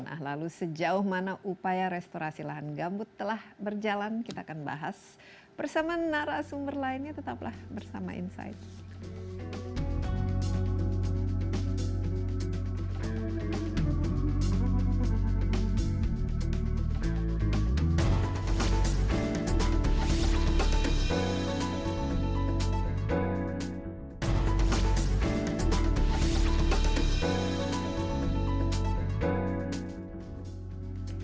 nah lalu sejauh mana upaya restorasi lahan gambut telah berjalan kita akan bahas bersama nara asumber lainnya tetaplah bersama insight